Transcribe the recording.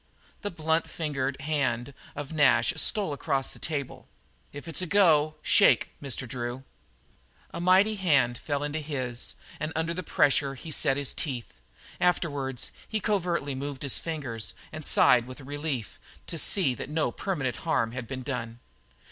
The blunt fingered hand of Nash stole across the table. "If it's a go, shake, Mr. Drew." A mighty hand fell in his, and under the pressure he set his teeth. Afterward he covertly moved his fingers and sighed with relief to see that no permanent harm had been done.